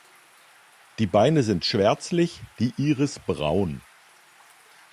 Die Beine sind schwärzlich, die Iris braun.